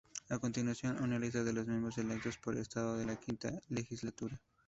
A continuación, una lista de los miembros electos por estado de la quinta legislatura.